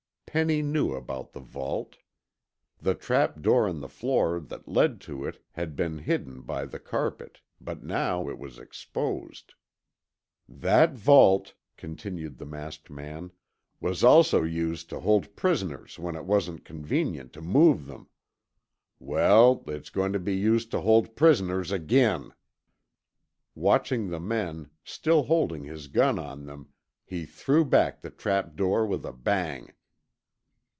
Penny knew about the vault. The trap door in the floor that led to it had been hidden by the carpet, but now it was exposed. "That vault," continued the masked man, "was also used to hold prisoners when it wasn't convenient to move them. Well, it's going to be used to hold prisoners again." Watching the men, still holding his gun on them, he threw back the trap door with a bang.